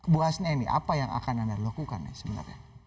bu hasne ini apa yang akan anda lakukan sebenarnya